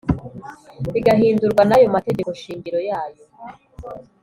Bigahindurwa n ayo mategeko shingiro yayo